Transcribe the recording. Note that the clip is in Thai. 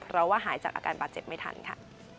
เพราะว่าหายจากอาการบาดเจ็บไม่ทันค่ะ